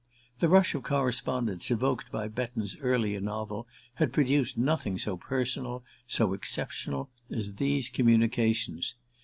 The rush of correspondence evoked by Betton's earlier novel had produced nothing so personal, so exceptional as these communications.